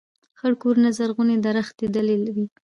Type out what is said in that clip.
خړ کورونه زرغونې درختي دلې وې